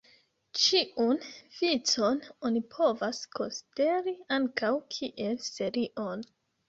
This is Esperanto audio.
Ĉiun vicon oni povas konsideri ankaŭ kiel serion.